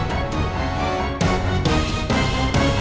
kau selalu saja jadi penghalangku